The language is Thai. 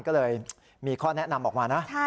ก็เลยมีข้อแนะนำออกมานะ